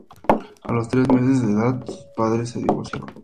A los tres meses de edad sus padres se divorciaron.